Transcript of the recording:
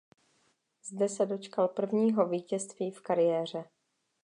Zde se dočkal prvního vítězství v kariéře.